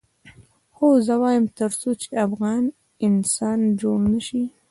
خو زه وایم تر څو چې افغان انسان جوړ نه شي.